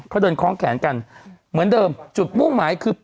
เขาเดินคล้องแขนกันเหมือนเดิมจุดมุ่งหมายคือ